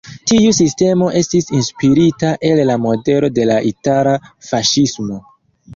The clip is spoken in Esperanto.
Tiu sistemo estis inspirita el la modelo de la itala faŝismo.